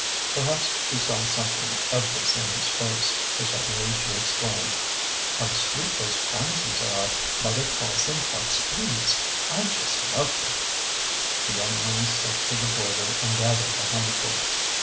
Perhaps she saw something of this in his face, for sud denly she exclaimed, " How sweet those pansies are 1 Mother calls them heart's ease. I just love them!" The young man stepped to the border and gathered a handful.